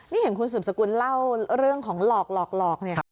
นี่เห็นคุณสืบสกุลเล่าเรื่องของหลอกหลอกเนี่ย